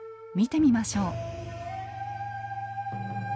見てみましょう。